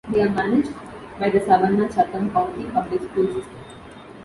They are managed by the Savannah Chatham County Public School System.